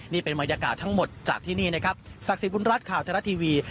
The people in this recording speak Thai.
นี่เป็นบรรยากาศทั้งหมดจากที่นี่นะครับศักดิ์บุญรัฐข่าวไทยรัฐทีวี